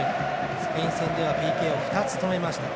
スペイン戦ではＰＫを２つ止めました。